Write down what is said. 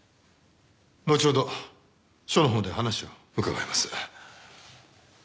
後ほど署のほうで話を伺います。